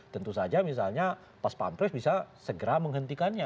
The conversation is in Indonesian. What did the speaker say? tentu saja misalnya pas pampres bisa segera menghentikannya